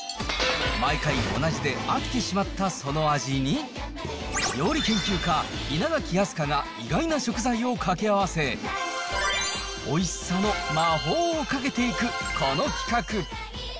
毎回同じで飽きてしまったその味に、料理研究家、稲垣飛鳥が意外な食材を掛け合わせ、おいしさの魔法をかけていくこの企画。